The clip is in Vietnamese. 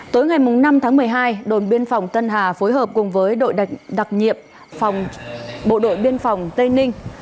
tối ngày năm tháng một mươi hai đồn biên phòng tân hà phối hợp cùng với đội đặc nhiệm bộ đội biên phòng tây ninh